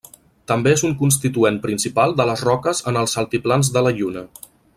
També és un constituent principal de les roques en els altiplans de la Lluna.